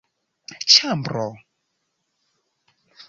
ĉambro